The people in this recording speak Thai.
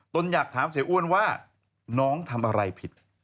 อยากถามเสียอ้วนว่าน้องทำอะไรผิด